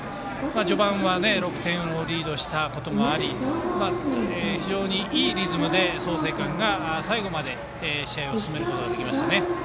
序盤は６点リードしたこともあり非常にいいリズムで創成館が最後まで試合を進めることができましたね。